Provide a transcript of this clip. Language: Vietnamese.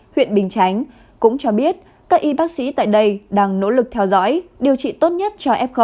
huyện bình chánh cũng cho biết các y bác sĩ tại đây đang nỗ lực theo dõi điều trị tốt nhất cho f